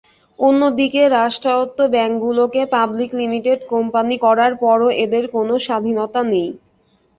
অন্যদিকে রাষ্ট্রায়ত্ত ব্যাংকগুলোকে পাবলিক লিমিটেড কোম্পানি করার পরও এদের কোনো স্বাধীনতা নেই।